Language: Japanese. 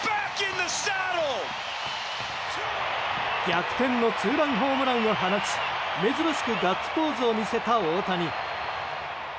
逆転のツーランホームランを放ち珍しくガッツポーズを見せた大谷。